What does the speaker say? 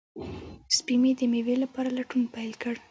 سپی مې د مېوې لپاره لټون پیل کړ.